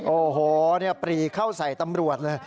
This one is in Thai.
โอ้โหปรีเข้าใส่ตำรวจเลย